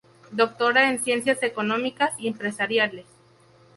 Doctora en Ciencias Económicas y Empresariales.